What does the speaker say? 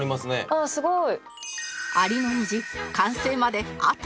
ああすごい！